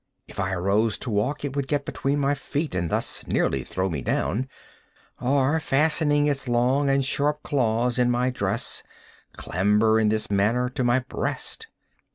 If I arose to walk it would get between my feet and thus nearly throw me down, or, fastening its long and sharp claws in my dress, clamber, in this manner, to my breast.